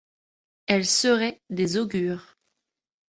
Elles seraient des augures.